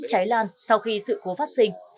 cháy lan sau khi sự khố phát sinh